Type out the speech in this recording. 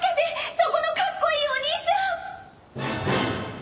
そこのかっこいいお兄さん！